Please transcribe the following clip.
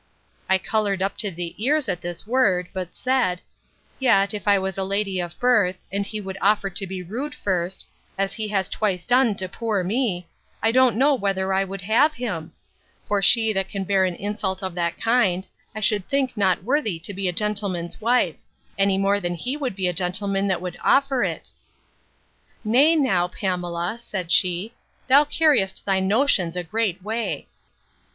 I coloured up to the ears at this word: but said, Yet, if I was the lady of birth, and he would offer to be rude first, as he has twice done to poor me, I don't know whether I would have him: For she that can bear an insult of that kind, I should think not worthy to be a gentleman's wife: any more than he would be a gentleman that would offer it. Nay, now, Pamela, said she, thou carriest thy notions a great way.